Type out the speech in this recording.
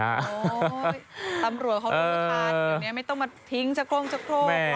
ตำรวจของน้ำมันอยู่ตรงนี้ไม่ต้องมาทิ้งชะโครก